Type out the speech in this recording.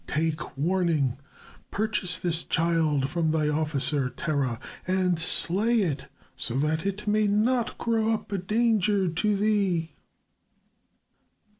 Take warning. Purchase this child from thy officer, Terah, and slay it so that it may not grow up a danger to thee."